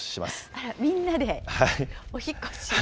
あら、みんなで、お引っ越し？